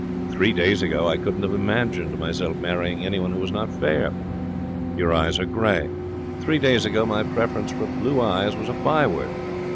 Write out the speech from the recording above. Three days ago I couldn't have imagined myself marrying anyone who was not fair. Your eyes are grey. Three days ago my preference for blue eyes was a by word.